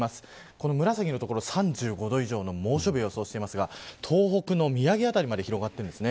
この紫の所３５度以上の猛暑日を予想していますが東北の宮城辺りまで広がっています。